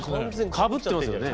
かぶってますよね。